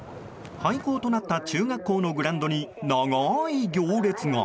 廃校となった中学校のグラウンドに長い行列が。